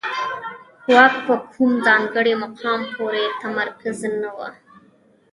واک په کوم ځانګړي مقام پورې متمرکز نه و.